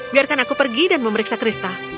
biarkan aku pergi dan memeriksa kristal